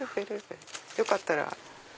よかったら。